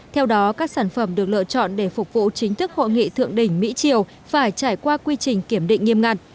theo đó các sản phẩm được lựa chọn để phục vụ chính thức hội nghị thượng đỉnh mỹ triều phải trải qua quy trình kiểm định nghiêm ngặt